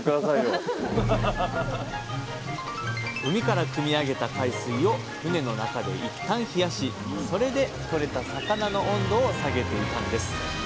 海からくみ上げた海水を船の中でいったん冷やしそれでとれた魚の温度を下げていたんです。